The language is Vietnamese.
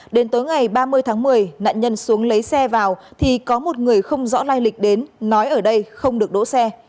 đến tối ngày ba mươi tháng một mươi nạn nhân xuống lấy xe vào thì có một người không rõ lai lịch đến nói ở đây không được đỗ xe